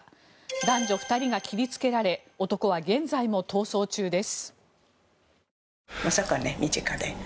男女２人が切りつけられ男は現在も逃走中です。